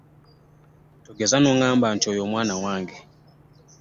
Tokeza nogamba nti oyo omwana wange.